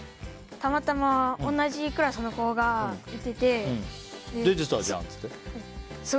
たまたま同じクラスの子が出てたじゃんって？